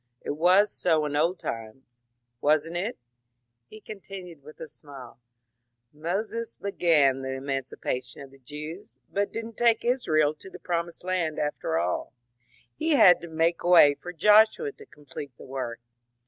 It was so in old times — wasn't it?" he continued, with a smile. ^ Moses began the emancipation of the Jews, but did n't take Israel to the Pro mised Land after alL He had to make way for Joshua to com plete the work.